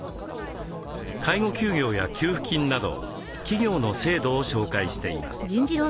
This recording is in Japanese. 介護休業や給付金など企業の制度を紹介しています。